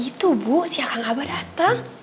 itu bu siakang abah datang